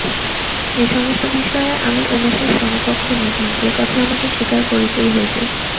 এ-সমস্ত বিষয়ে আমি উমেশের সমকক্ষ নহি, এ কথা আমাকে স্বীকার করিতেই হইবে।